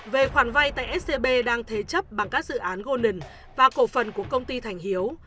về khoản vay tại scb đang thế chấp bằng các dự án golden và cổ phần của công ty thành hiếu